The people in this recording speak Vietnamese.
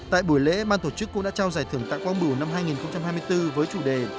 tại buổi lễ ban tổ chức cũng đã trao giải thưởng tại quang bửu năm hai nghìn hai mươi bốn với chủ đề